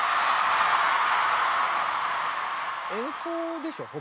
演奏でしょほぼ。